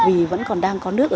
vì vẫn còn đang có nước